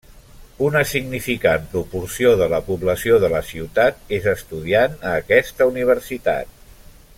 Una significant proporció de la població de la ciutat és estudiant a aquesta universitat.